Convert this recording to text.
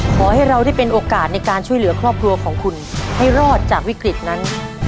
ขอให้เราได้เป็นโอกาสในการช่วยเหลือครอบครัวของคุณให้รอดจากวิกฤตนั้น